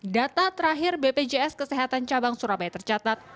data terakhir bpjs kesehatan cabang surabaya tercatat